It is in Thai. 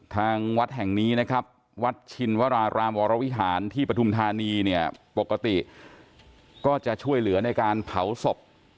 ทางวัดแห่งนี้นะครับวัดชินวรารามวรวิหารที่ปฐุมธานีเนี่ยปกติก็จะช่วยเหลือในการเผาศพ